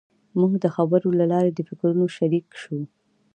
موږ د خبرو له لارې د فکرونو شریک شوو.